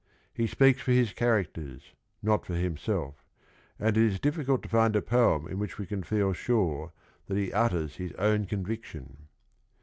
He speaks for his characters, not for himself, and it is difficult to find a poem in which we can feel sure that he utters his own conviction.